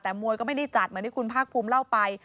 แต่มวยก็ไม่ได้จัดเหมือนที่คุณภาคภูมิเล่าไป